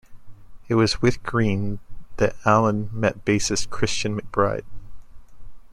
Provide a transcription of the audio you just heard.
It was with Green that Allen met bassist Christian McBride.